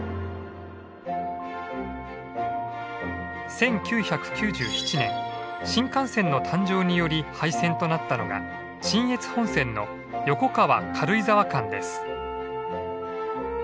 １９９７年新幹線の誕生により廃線となったのが信越本線の横川軽井沢間です。